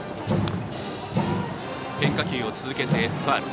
変化球を続けて、ファウル。